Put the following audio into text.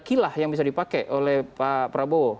kilah yang bisa dipakai oleh pak prabowo